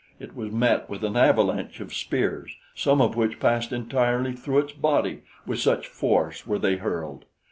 It was met with an avalanche of spears, some of which passed entirely through its body, with such force were they hurled.